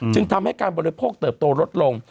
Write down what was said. จึงทำให้การบริโภคเติบโตลดลง